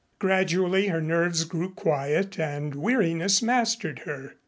Gradually her nerves grew quiet and weariness mastered her.